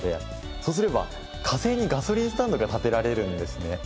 そうすれば火星にガソリンスタンドが建てられるんですね。